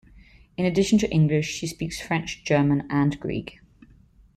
In addition to English, she speaks French, German, and Greek.